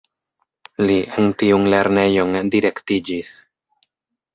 Li en tiun lernejon direktiĝis.